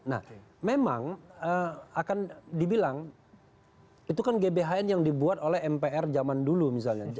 nah memang akan dibilang itu kan gbhn yang dibuat oleh mpr zaman dulu misalnya